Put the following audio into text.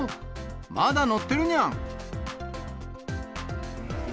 まだ乗ってるにゃん。